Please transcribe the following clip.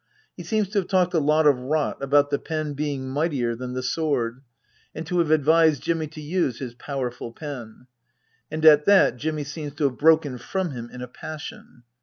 He seems to have talked a lot of rot about the pen being mightier than the sword, and to have advised Jimmy to " use his powerful pen." And at that Jimmy seems to have broken from him in a passion.